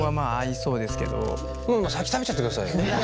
先食べちゃってくださいよ。